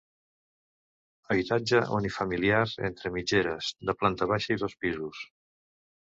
Habitatge unifamiliar entre mitgeres, de planta baixa i dos pisos.